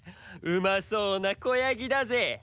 うまそうなこやぎだぜ！